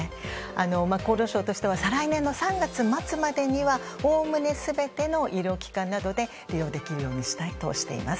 厚労省としては再来年の３月末までにはおおむね全ての医療機関などで利用できるようにしたいとしています。